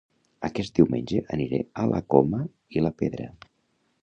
Aquest diumenge aniré a La Coma i la Pedra